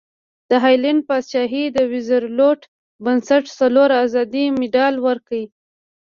د هالنډ پادشاهي د روزولټ بنسټ څلور ازادۍ مډال ورکړ.